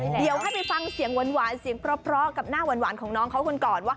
เดี๋ยวให้ไปฟังเสียงหวานเสียง๑๒๕๐๐๓๐๐๓กับหน้าหวานของน้องเขาคุณกร